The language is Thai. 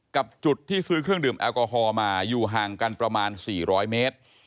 กับจุดที่ซื้อเครื่องดื่มแอลกอฮอลมาอยู่ห่างกันประมาณ๔๐๐เมตร